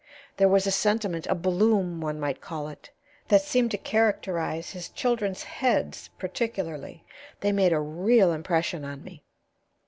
There was a sentiment, a bloom, one might call it, that seemed to characterize his children's heads particularly. They made a real impression on me."